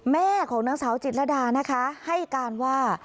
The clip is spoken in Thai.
แม่ของนางสาวจิตรดานะคะให้การว่า